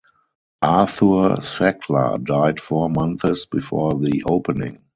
Arthur Sackler died four months before the opening.